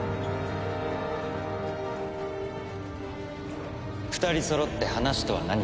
２人そろって話とは何かな？